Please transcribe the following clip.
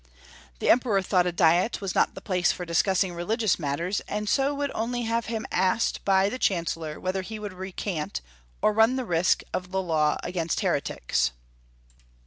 '* The Emperor thought a Diet was not the place for discussing religious mat ters, and so would only have him asked by the Chancellor whether he would recant, or run the risks of the law against heretics.